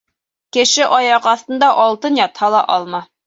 Кеше аяҡ аҫтында алтын ятһа ла алма.